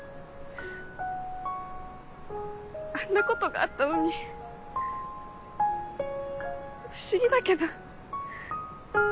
あんなことがあったのに不思議だけど。